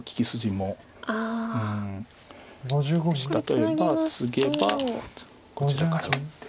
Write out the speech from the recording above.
もし例えばツゲばこちらから打って。